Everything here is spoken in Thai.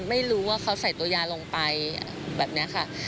ไม่รู้ว่าเขาใส่ตัวยาลงไปแบบนี้ค่ะ